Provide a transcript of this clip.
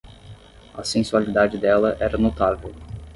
A sensualidade dela era notável.